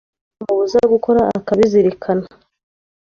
n’ibyo umubuza gukora akabizirikana